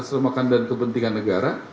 ketat semakan dan kepentingan negara